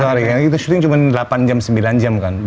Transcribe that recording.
karena shooting cuma delapan jam sembilan jam kan